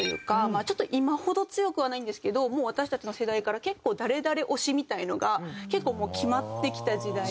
まあちょっと今ほど強くはないんですけどもう私たちの世代から結構誰々推しみたいのが結構もう決まってきた時代で。